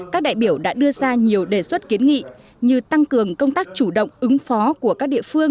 các đại biểu đã đưa ra nhiều đề xuất kiến nghị như tăng cường công tác chủ động ứng phó của các địa phương